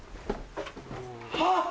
あっ！